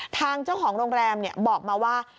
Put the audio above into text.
ทางเจ้าของโรงแรมบอกมาว่า